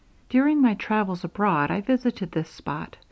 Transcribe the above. During my travels abroad I visited this spot.